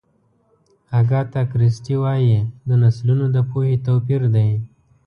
اګاتا کریسټي وایي د نسلونو د پوهې توپیر دی.